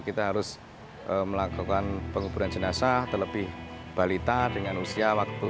kita harus melakukan penguburan jenazah terlebih balita dengan usia waktu